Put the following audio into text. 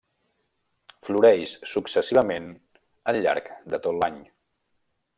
Floreix successivament al llarg de tot l'any.